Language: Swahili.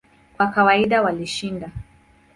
Kwa kawaida walishinda.